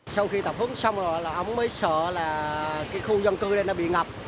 sau khi tập huấn xong rồi là ông mới sợ là cái khu dân cư này nó bị ngập